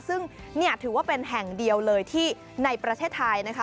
ซึ่งนี่ถือว่าเป็นแห่งเดียวเลยที่ในประเทศไทยนะคะ